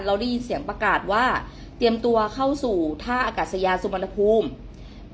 เราได้ยินเสียงประกาศว่าเตรียมตัวเข้าสู่ท่าอากาศยาสุวรรณภูมิ